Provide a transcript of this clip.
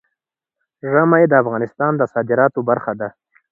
ژمی د افغانستان د صادراتو برخه ده.